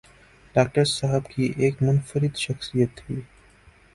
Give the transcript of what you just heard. Doctor صاحب کی ایک منفرد شخصیت تھی۔